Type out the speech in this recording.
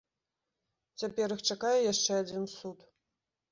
Цяпер іх чакае яшчэ адзін суд.